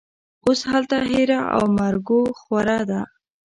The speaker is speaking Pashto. اوس هلته هېره او مرګوخوره ده